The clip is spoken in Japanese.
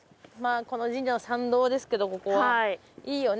神社の参道ですけどここいいよね